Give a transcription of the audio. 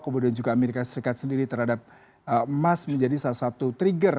kemudian juga amerika serikat sendiri terhadap emas menjadi salah satu trigger